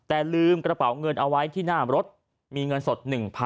แต่ลืมกระเป๋าเงินเอาไว้ที่หน้ารถมีเงินสด๑๐๐๐